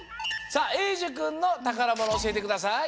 さあえいじゅくんのたからものおしえてください。